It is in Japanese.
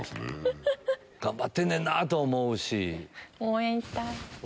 頑張ってんねんなと思うし。